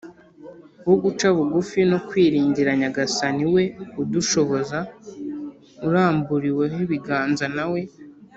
wo guca bugufi no kwiringira nyagasani we udushoboza. uramburiweho ibiganza nawe